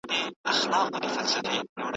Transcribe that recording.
سياستپوهان د ټولنيزو ستونزو حل لټوي.